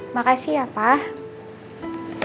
makasih ya pak